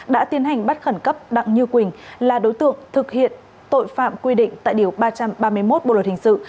đã tiến hành bắt khẩn cấp đặng như quỳnh là đối tượng thực hiện tội phạm quy định tại điều ba trăm ba mươi một bộ luật hình sự